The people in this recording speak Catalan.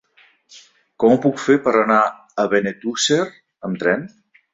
Com ho puc fer per anar a Benetússer amb tren?